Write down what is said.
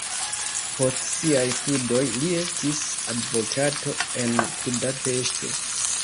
Post siaj studoj li estis advokato en Budapeŝto.